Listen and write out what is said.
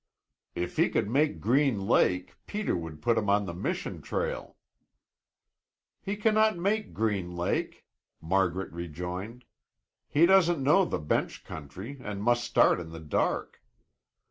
"If he could make Green Lake, Peter would put him on the Mission trail." "He cannot make Green Lake," Margaret rejoined. "He doesn't know the bench country and must start in the dark."